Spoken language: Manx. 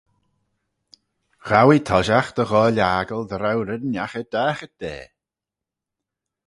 Ghow ee toshiaght dy ghoaill aggle dy row red ennagh er daghyrt da.